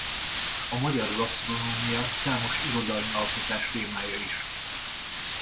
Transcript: A magyar gasztronómia számos irodalmi alkotás témája is.